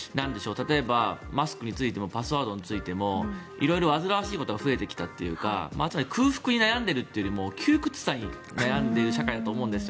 例えば、マスクについてもパスワードについても色々煩わしいことが増えてきたというか空腹に悩んでいるというよりも窮屈さに悩んでいる社会だと思うんですよ